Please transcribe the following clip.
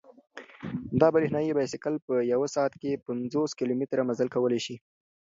دا برېښنايي بایسکل په یوه ساعت کې پنځوس کیلومتره مزل کولای شي.